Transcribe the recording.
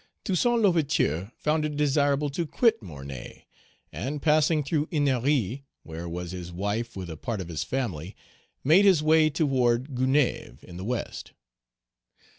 Toussaint L'Ouverture found it desirable to quit Mornay, and, passing through Ennery, where was his wife with a part of his family, made his way toward Gonaïves in the West.